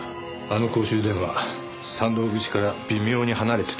あの公衆電話山道口から微妙に離れてたよな。